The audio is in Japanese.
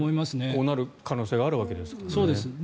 こうなる可能性があるわけですからね。